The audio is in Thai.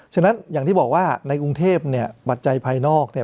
ฉะนั้นอย่างที่บอกว่าในกรุงเทพเนี่ยปัจจัยภายนอกเนี่ย